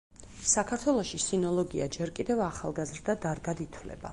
საქართველოში სინოლოგია ჯერ კიდევ ახალგაზრდა დარგად ითვლება.